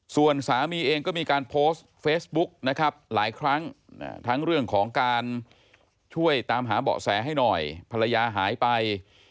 ส่วนสามีเองก็มีการโพสต์เฟซบุ๊กนะครับหลายครั้งทั้งเรื่องของการช่วยตามหาเบาะแสให้หน่อยภรรยาหายไป